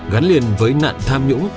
gắn liền với nạn tham nhũng